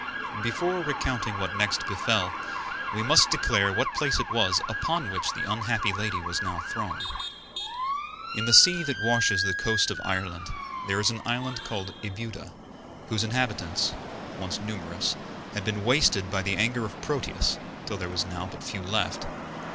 Before recounting what next befell, we must declare what place it was upon which the unhappy lady was now thrown. In the sea that washes the coast of Ireland there is an island called Ebuda, whose inhabitants, once numerous, had been wasted by the anger of Proteus till there were now but few left.